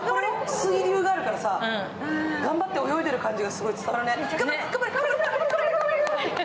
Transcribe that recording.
水流があるから、頑張って泳いでる感じ伝わるね。